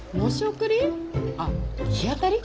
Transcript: あっ日当たり？